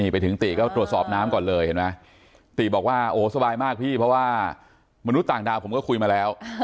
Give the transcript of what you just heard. ไปถึงติก็ตรวจสอบน้ำก่อนเลยเห็นไหมติบอกว่าโอ้สบายมากพี่เพราะว่ามนุษย์ต่างดาวผมก็คุยมาแล้ว